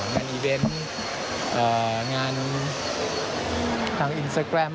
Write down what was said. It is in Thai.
งานอีเวนต์งานทางอินสตาแกรม